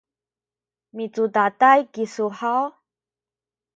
micudaday kisu haw?